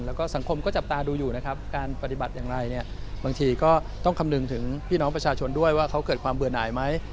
แล้วก็สังคมก็จับตาดูอยู่นะครับการปฏิบัติอย่างไรเนี่ยบางทีก็ต้องคำนึงถึงพี่น้องประชาชนด้วยว่าเขาเกิดความเบื่อหน่ายไหม